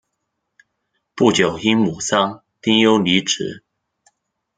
不久因母丧丁忧离职。